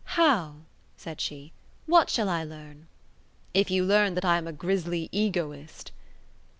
"How?" said she. "What shall I learn?" "If you learn that I am a grisly Egoist?"